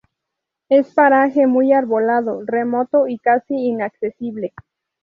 Es paraje muy arbolado, remoto y casi inaccesible.